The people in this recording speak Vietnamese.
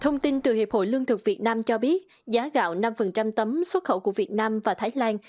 thông tin từ hiệp hội lương thực việt nam cho biết giá gạo năm tấm xuất khẩu của việt nam và thái lan